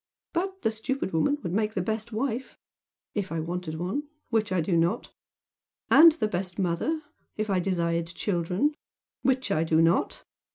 But the stupid woman would make the best wife if I wanted one which I do not; and the best mother, if I desired children, which I do not.